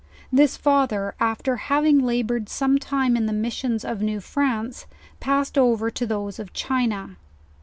This Father, after having laboured some time in the missions of New France, passed over to those of China.